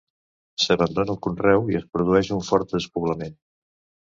S'abandona el conreu i es produeix un fort despoblament.